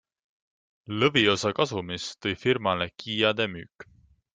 Lõviosa kasumist tõi firmale Kiade müük.